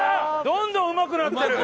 どんどんうまくなってる！